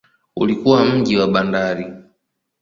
Ulikuwa mji wa bandari.